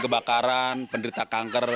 kebakaran penderita kanker